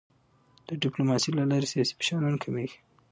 د ډیپلوماسی له لارې سیاسي فشارونه کمېږي.